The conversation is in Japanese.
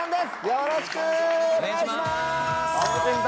よろしくお願いします！